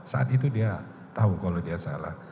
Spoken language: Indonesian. saat itu dia tahu kalau dia salah